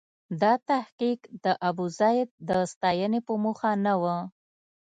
دا تحقیق د ابوزید د ستاینې په موخه نه و.